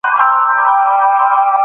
کاردستي د ماشوم ذهن ته وده ورکوي.